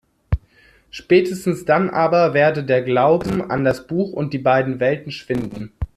Spätestens dann aber werde der „Glauben an das Buch und die beiden Welten“ schwinden.